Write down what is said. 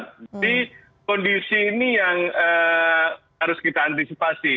jadi kondisi ini yang harus kita antisipasi